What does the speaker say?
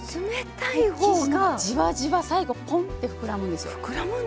生地がじわじわ最後ぽんって膨らむんですよ。